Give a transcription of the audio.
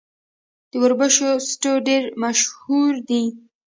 د وربشو سټو ډیر مشهور دی.